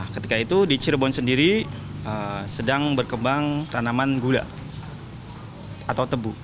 ketika itu di cirebon sendiri sedang berkembang tanaman gula atau tebu